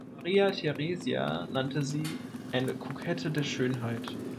Maria Theresia nannte sie „eine Kokette der Schönheit“.